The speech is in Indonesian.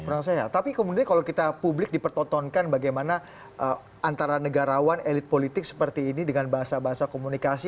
kurang sehat tapi kemudian kalau kita publik dipertontonkan bagaimana antara negarawan elit politik seperti ini dengan bahasa bahasa komunikasi